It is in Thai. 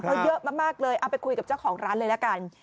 เพราะเยอะมากเลยเอาไปคุยกับเจ้าของร้านเลยละกัน